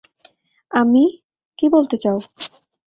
আমি --- কি বলতে চাও?